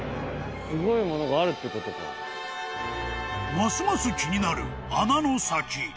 ［ますます気になる穴の先］